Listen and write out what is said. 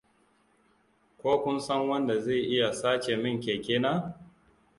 Ko kun san wanda zai iya sace min keke na?